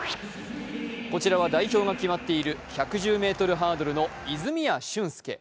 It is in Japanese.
こちらは代表が決まっている１１０ｍハードルの泉谷駿介。